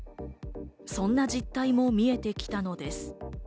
そんな実態も見えてきたのです。